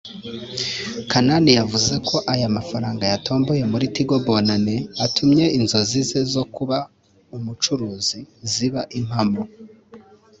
Kanani yavuze ko aya mafaranga yatomboye muri Tigo Bonane atumye inzozi ze zo kuba umucuruzi ziba impamo